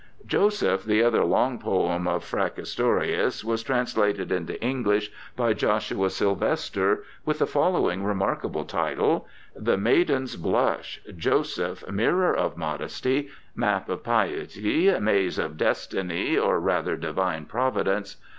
Joseph, the other long poem of Fracastorius, was translated into English by Josuah Sylvester, with the following remarkable title: 'The Maiden's Blush: Joseph, Mirror of Modesty, Map of Pietie, Maze of Destinie, or rather Divine Providence.